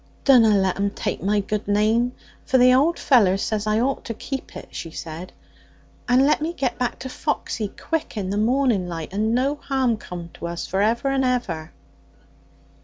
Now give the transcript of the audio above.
'Dunna let 'un take my good name, for the old feller says I'd ought to keep it,' she said. 'And let me get back to Foxy quick in the morning light, and no harm come to us for ever and ever.'